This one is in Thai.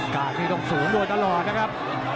นี่ต้องสูงโดยตลอดนะครับ